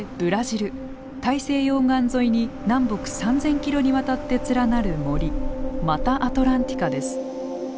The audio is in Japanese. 大西洋岸沿いに南北３，０００キロにわたって連なる森マタアトランティカです。